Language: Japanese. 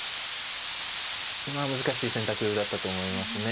今は難しい選択だったと思いますね。